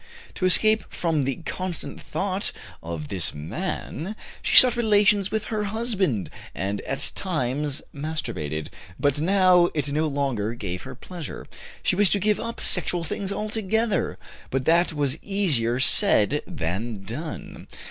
To escape from the constant thought of this man, she sought relations with her husband, and at times masturbated, but now it no longer gave her pleasure. She wished to give up sexual things altogether. But that was easier said than done.